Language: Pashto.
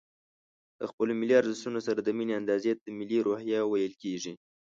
د خپلو ملي ارزښتونو سره د ميني اندازې ته ملي روحيه ويل کېږي.